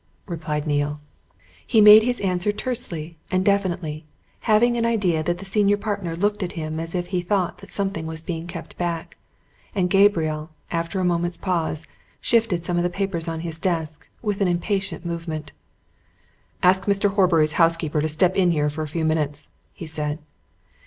replied Neale. He made his answer tersely and definitely, having an idea that the senior partner looked at him as if he thought that something was being kept back. And Gabriel, after a moment's pause, shifted some of the papers on his desk, with an impatient movement. "Ask Mr. Horbury's housekeeper to step in here for a few minutes," he said.